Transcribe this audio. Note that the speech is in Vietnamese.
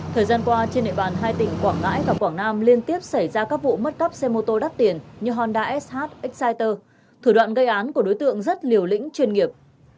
thời gian qua trên địa bàn hai tỉnh quảng ngãi và quảng nam liên tiếp xảy ra các vụ mất cắp xe mô tô đắt tiền như honda sh exciter thủ đoạn gây án của đối tượng rất liều lĩnh chuyên nghiệp